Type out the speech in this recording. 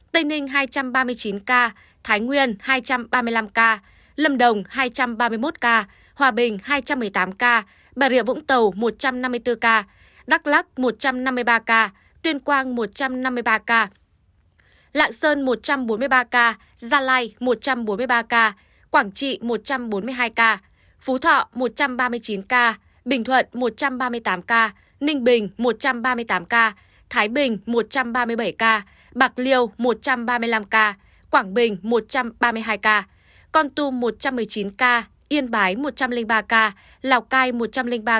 tây ninh hai trăm ba mươi chín ca thái nguyên hai trăm ba mươi năm ca lâm đồng hai trăm ba mươi một ca hòa bình hai trăm một mươi tám ca bà rịa vũng tàu một trăm năm mươi bốn ca đắk lắk một trăm năm mươi ba ca tuyên quang một trăm năm mươi ba ca lạng sơn một trăm bốn mươi ba ca gia lai một trăm bốn mươi ba ca quảng trị một trăm bốn mươi hai ca phú thọ một trăm ba mươi chín ca bình thuận một trăm ba mươi tám ca ninh bình một trăm ba mươi tám ca thái bình một trăm ba mươi bảy ca bắc ninh một trăm ba mươi tám ca tây ninh hai trăm ba mươi chín ca thái ninh hai trăm ba mươi năm ca lâm đồng hai trăm ba mươi một ca hòa bình hai trăm bốn mươi tám ca bà rịa vũng tàu một trăm năm mươi bốn ca đắk lắk một trăm năm mươi ba ca tuyên quang một trăm năm mươi ba ca lạng sơn một trăm bốn mươi ba ca lạng sơn một trăm bốn mươi ba ca gia